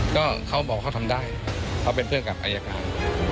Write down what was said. ก็เขาบอกเขาทำได้เขาเป็นเพื่อนกับอายการ